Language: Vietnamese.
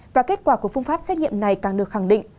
và kết quả của phương pháp xét nghiệm này càng được khẳng định